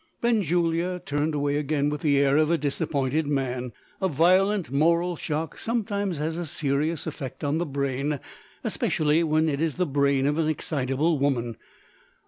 Benjulia turned away again with the air of a disappointed man. A violent moral shock sometimes has a serious effect on the brain especially when it is the brain of an excitable woman.